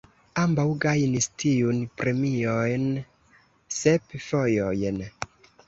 Ambaŭ gajnis tiun premion sep fojojn.